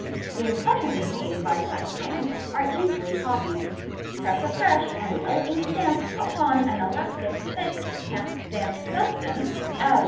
The impressions made by such stamps are easily copied. Press a fresh 'and well inked stamp upon an elastic, thick, half damp substance, as ¢.q.